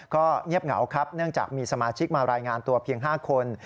ก็เงียบเหงาครับเนื่องจากมีสมาชิกมารายงานตัวเพียง๕คน